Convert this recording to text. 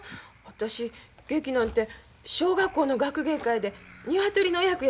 私劇なんて小学校の学芸会でニワトリの役やったきりやもん。